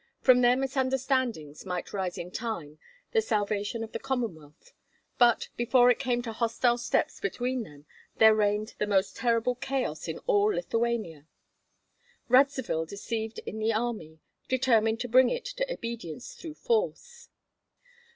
From their misunderstandings might rise in time the salvation of the Commonwealth; but before it came to hostile steps between them there reigned the most terrible chaos in all Lithuania. Radzivill, deceived in the army, determined to bring it to obedience through force.